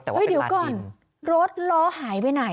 เดี๋ยวก่อนรถล้อหายไปไหน